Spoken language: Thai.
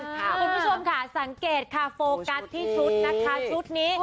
คุณผู้ชมค่ะสังเกตค่ะโฟกัสที่ชุดนะคะชุดนี้